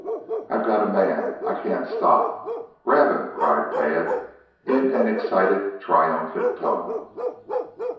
"I've got a man. I can't stop. Grab him!" cried Tad in an excited, triumphant tone.